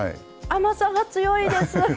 甘さが強いです。